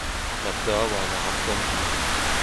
Ma daouarn a ra poan din.